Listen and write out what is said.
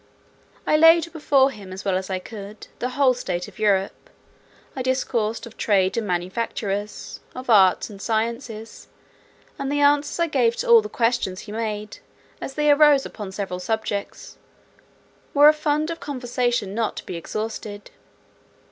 I laid before him, as well as I could, the whole state of Europe; I discoursed of trade and manufactures, of arts and sciences; and the answers I gave to all the questions he made, as they arose upon several subjects, were a fund of conversation not to be exhausted.